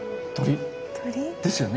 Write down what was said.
鳥ですよね！